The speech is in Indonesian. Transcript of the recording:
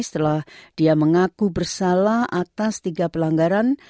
setelah dia mengaku bersalah atas tiga pelanggaran